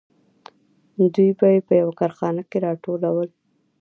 دوی به یې په یوه کارخانه کې راټولول